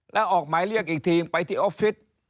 แล้วออกหมายเรียกอีกทีไปที่ออฟฟิศ